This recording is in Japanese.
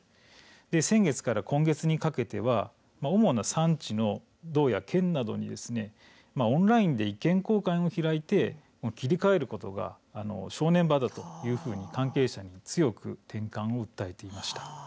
先月から今月にかけては主な産地の道や県などにオンラインで意見交換を開いて切り替えることは正念場だと関係者に強く転換を訴えてきました。